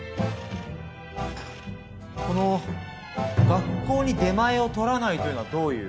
この「学校に出前をとらない」というのはどういう？